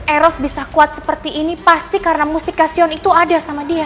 eros bisa kuat seperti ini pasti karena musik kasion itu ada sama dia